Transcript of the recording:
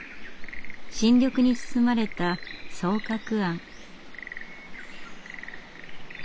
新緑に包まれた双鶴庵。